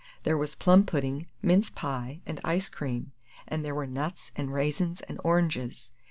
There was plum pudding, mince pie, and ice cream, and there were nuts, and raisins, and oranges.